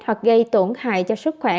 hoặc gây tổn hại cho sức khỏe